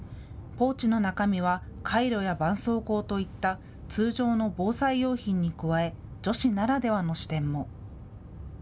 ポーチの中身はカイロやばんそうこうといった通常の防災用品に加え、女子ならではの視点も。